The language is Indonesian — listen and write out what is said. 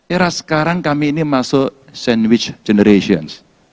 era sekarang kami ini masuk sandwich generations